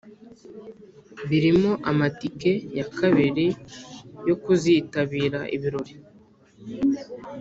birimo amatike ya babiri yo kuzitabira ibirori